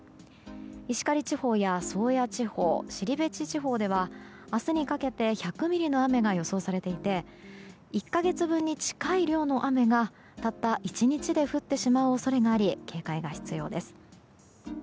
石狩地方や宗谷地方後志地方では明日にかけて１００ミリの雨が予想されていて１か月分に近い量の雨がたった１日で降ってしまう恐れがあり警戒が必要です。